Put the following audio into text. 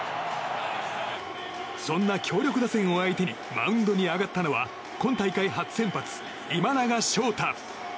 そんな強力打線を相手にマウンドに上がったのは今大会初先発、今永昇太。